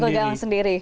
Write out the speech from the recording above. gol ke gawang sendiri